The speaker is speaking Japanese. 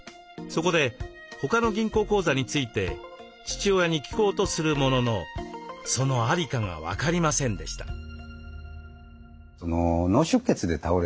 そこで他の銀行口座について父親に聞こうとするもののその在りかが分かりませんでした。